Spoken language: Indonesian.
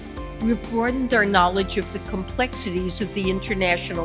untuk mengembangkan kembang kita dalam sistem keuangan internasional